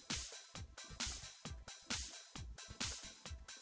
ibu sodege tangkap raya lights